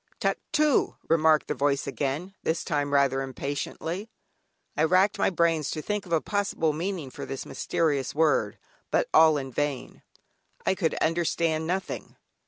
"Tuctoo" remarked the voice again, this time rather impatiently. I racked my brains to think of a possible meaning for this mysterious word, but all in vain, I could understand nothing.